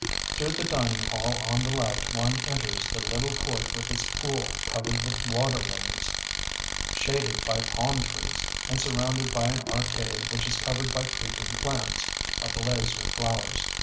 Through the dining hall on the left one enters the little court with its pool covered with water lilies, shaded by palm trees, and surrounded by an arcade which is covered by creeping plants, ablaze with flowers.